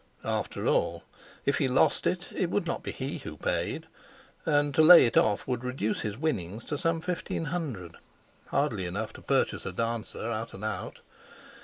After all, if he lost it would not be he who paid, and to "lay it off" would reduce his winnings to some fifteen hundred—hardly enough to purchase a dancer out and out.